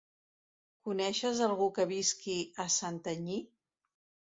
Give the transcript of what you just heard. Coneixes algú que visqui a Santanyí?